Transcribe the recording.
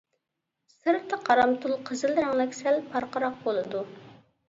سىرتى قارامتۇل قىزىل رەڭلىك، سەل پارقىراق بولىدۇ.